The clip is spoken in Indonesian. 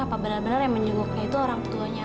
apa benar benar yang menjenguknya itu orang tuanya